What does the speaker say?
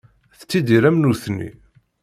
Tettidir am nutni.